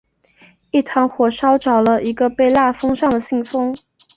一小团火烧着了一个被封蜡封上的信封。